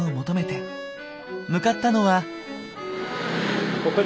向かったのは。